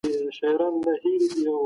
ده له شاهي کورنۍ سره واده کړی و.